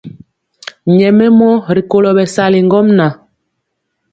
Nyɛmemɔ rikolo bɛsali ŋgomnaŋ.